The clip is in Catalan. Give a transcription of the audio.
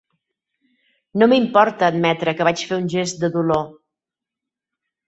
No m'importa admetre que vaig fer un gest de dolor.